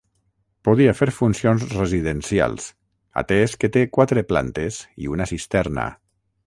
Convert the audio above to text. Podia fer funcions residencials, atès que té quatre plantes i una cisterna.